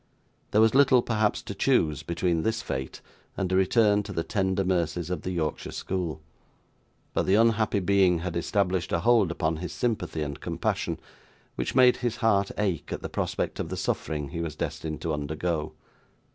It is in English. There was little, perhaps, to choose between this fate and a return to the tender mercies of the Yorkshire school; but the unhappy being had established a hold upon his sympathy and compassion, which made his heart ache at the prospect of the suffering he was destined to undergo.